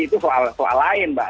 itu soal lain mbak